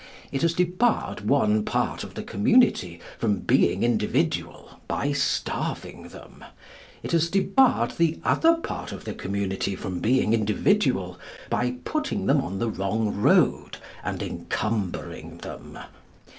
It has debarred one part of the community from being individual by starving them. It has debarred the other part of the community from being individual by putting them on the wrong road, and encumbering them.